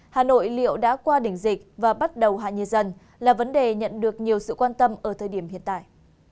hà nội liệu đã qua đỉnh dịch và bắt đầu hạ nhiệt dần là vấn đề nhận được nhiều sự quan tâm ở thời điểm hiện tại